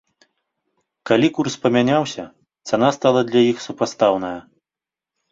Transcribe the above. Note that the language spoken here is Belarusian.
Калі курс памяняўся, цана стала для іх супастаўная.